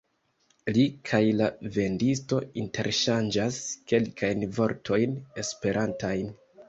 Li kaj la vendisto interŝanĝas kelkajn vortojn esperantajn.